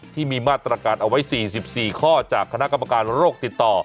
ที่มีมาตรการเอาไว้๔๔ข้อจากคณะกรรมการโรคติดต่อ